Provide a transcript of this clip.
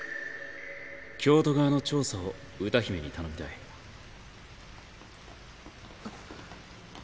京都側の調査を歌姫に頼みたい・コツコツコツあっ。